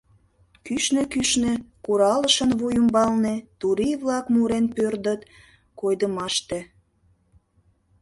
Кӱшнӧ-кӱшнӧ, куралшын вуй ӱмбалне, турий-влак мурен пӧрдыт койдымаште...